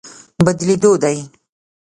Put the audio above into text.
بدلېدو دی.